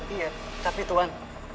iya tapi tuan